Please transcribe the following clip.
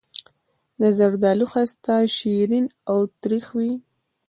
د زردالو خسته شیرین او تریخ وي.